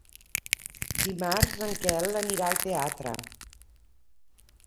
Dimarts en Quel anirà al teatre.